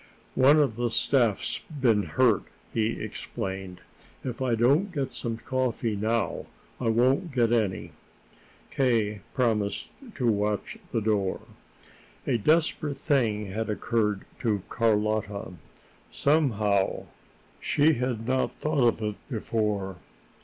"One of the staff's been hurt," he explained. "If I don't get some coffee now, I won't get any." K. promised to watch the door. A desperate thing had occurred to Carlotta. Somehow, she had not thought of it before.